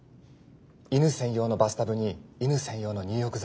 犬専用のバスタブに犬専用の入浴剤。